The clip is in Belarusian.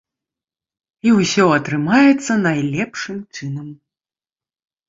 І ўсё атрымаецца найлепшым чынам!